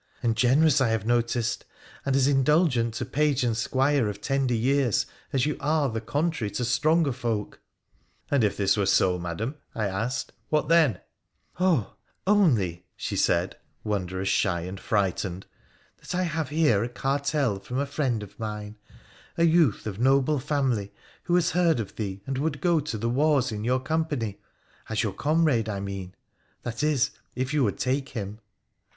' And generous, I have noticed, and as indulgent to page and squire of tender years as you are the contrary to stronger folk.' ' And if this Were so, Madam,' I asked, ' what then ?'' Oh ! only,' she said, wondrous shy and frightened, 'that I have here a cartel from a friend of mine, a youth of noble family, who has heard of thee, and would go to the wars in your company — as your comrade, I mean : that is, if you would take him.'